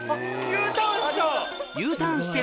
Ｕターンした！